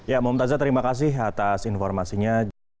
ya mohamad taza terima kasih atas informasinya